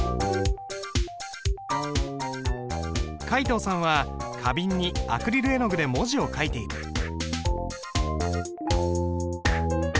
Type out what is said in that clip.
皆藤さんは花瓶にアクリル絵の具で文字を書いている。